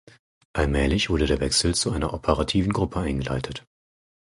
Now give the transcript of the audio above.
Allmählich wurde der Wechsel zu einer operativen Gruppe eingeleitet.